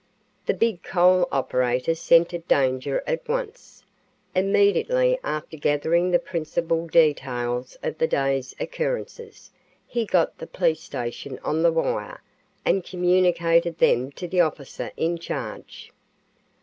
The big coal operator scented danger at once. Immediately after gathering the principal details of the day's occurrences, he got the police station on the wire and communicated them to the officer in charge.